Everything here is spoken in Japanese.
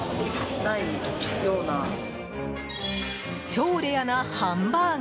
超レアなハンバーグ。